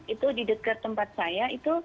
itu di dekat tempat saya itu